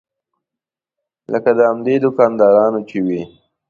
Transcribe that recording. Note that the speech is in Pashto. لکه د همدې دوکاندارانو چې وي.